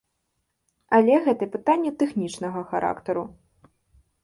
Але гэта пытанне тэхнічнага характару.